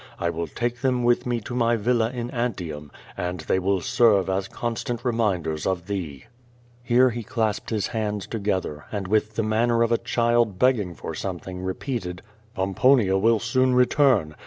I will take them with me to my villa in Antium, and they will serve as constant reminders of thee." Here he clasped his hands together, and, with the manner of a child begging for something, repeated: ^Tomponia will soon return.